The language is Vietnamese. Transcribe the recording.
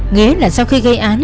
nghĩa là sau khi gây án